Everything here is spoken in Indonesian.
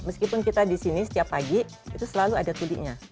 meskipun kita di sini setiap pagi itu selalu ada tulinya